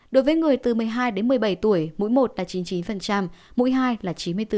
đối với người từ một mươi hai đến một mươi bảy tuổi mũi một là chín mươi chín mũi hai là chín mươi bốn